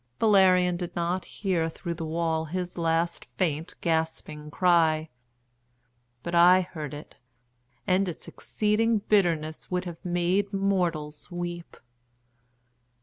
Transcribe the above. Valerian did not hear through the wall his last faint gasping cry, but I heard it, and its exceeding bitterness would have made mortals weep.